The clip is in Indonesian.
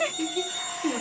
pak di sebelah sana